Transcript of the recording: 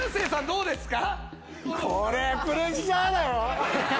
どうですか？